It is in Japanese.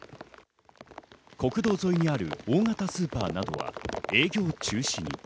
国道沿いにある大型スーパーなどは営業中止。